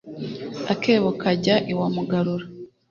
Akebo kajya iwa Mugarura.